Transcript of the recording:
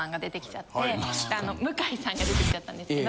向井さんが出てきちゃったんですけど